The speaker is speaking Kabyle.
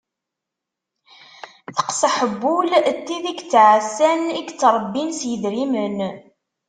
Teqsaḥ n wul n tid i yettɛassan i yettrebbin s yedrimen.